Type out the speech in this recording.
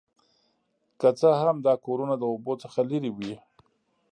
که څه هم دا کورونه د اوبو څخه لرې وي